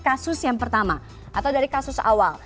kasus yang pertama atau dari kasus awal